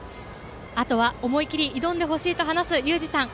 あとは、思い切り挑んでほしいと話すゆうじさん。